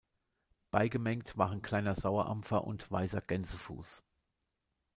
Beigemengt waren Kleiner Sauerampfer und Weißer Gänsefuß.